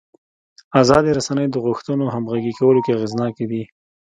ازادې رسنۍ د غوښتنو همغږي کولو کې اغېزناکې دي.